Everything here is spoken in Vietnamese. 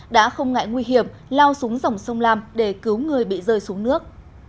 đã không ngại nguy hiểm lao xuống dòng sông lam để cứu người bị rơi xuống nước